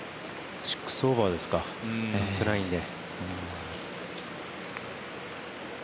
６オーバーですか、バックナインで。